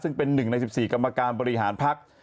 ซึ่งเป็น๑ใน๑๔กรรมการบริหารภักดิ์